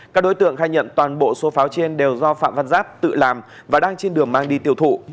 các đối tượng khai nhận toàn bộ số pháo trên đều do phạm văn giáp tự làm và đang trên đường mang đi tiêu thụ